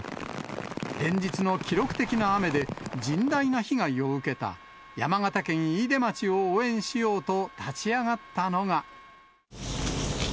連日の記録的な雨で、甚大な被害を受けた山形県飯豊町を応援しようと立ち上がったのが。